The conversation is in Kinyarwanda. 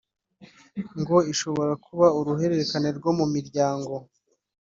ngo ishobora kuba uruhererekane rwo mu miryango